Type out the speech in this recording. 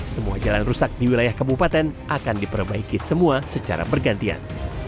semua jalan rusak di wilayah kabupaten akan diperbaiki semua secara bergantian